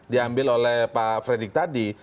diambil oleh pak fredrik tadi